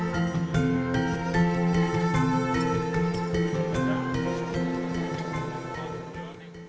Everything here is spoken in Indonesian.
jangan lupa like subscribe dan share ya